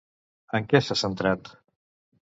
En què s'ha centrat?